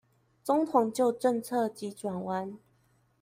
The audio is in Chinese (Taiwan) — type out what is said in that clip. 總統就政策急轉彎